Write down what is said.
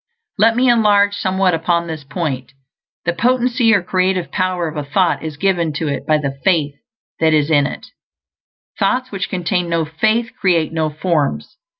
Let me enlarge somewhat upon this point. The potency, or creative power, of a thought is given to it by the faith that is in it. Thoughts which contain no faith create no forms.